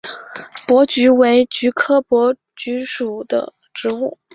珀菊为菊科珀菊属的植物。